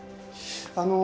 あの。